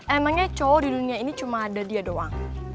emangnya cowok di dunia ini cuma ada dia doang